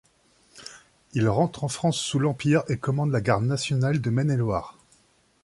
Il rentre en France sous l'Empire et commande la garde nationale de Maine-et-Loire.